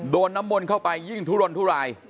น้ำมนต์เข้าไปยิ่งทุรนทุราย